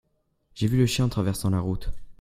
j'ai vu le chien en traversant la route.